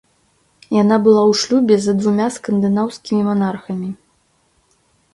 Яна была ў шлюбе за двума скандынаўскімі манархамі.